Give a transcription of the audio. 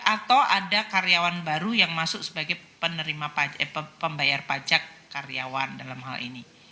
atau ada karyawan baru yang masuk sebagai penerima pembayar pajak karyawan dalam hal ini